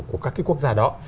của các cái quốc gia đó